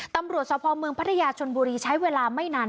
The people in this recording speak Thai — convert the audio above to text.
ตำรวจสพเมืองพัทยาชนบุรีใช้เวลาไม่นาน